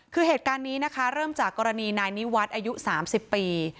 คือเหตุการณ์นี้นะคะเริ่มจากกรณีนายนิวัฒน์อายุ๓๐ปี